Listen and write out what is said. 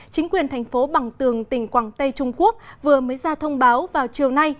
chính quyền thành phố bằng tường tỉnh quảng tây trung quốc vừa mới ra thông báo vào chiều nay